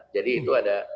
jadi itu ada